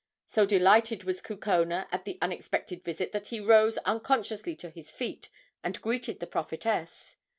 So delighted was Kukona at the unexpected visit that he rose unconsciously to his feet and greeted the prophetess.